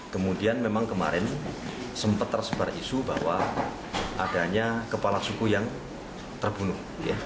kemudian memang kemarin sempat tersebar isu bahwa adanya kepala suku yang terbunuh